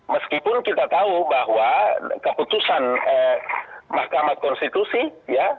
meskipun kita tahu bahwa keputusan mahkamah konstitusi ya